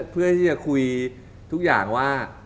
เพื่อที่จะคุยทุกอย่างว่า